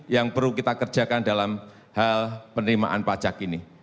yang perlu kita kerjakan dalam hal penerimaan pajak ini